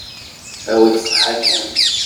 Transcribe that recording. Awi-d ṣṣeḥḥa kan.